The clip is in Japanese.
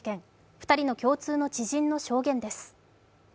２人の共通の知人の証言です。